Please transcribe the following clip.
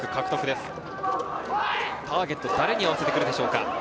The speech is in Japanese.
ターゲットは誰に合わせてくるでしょうか？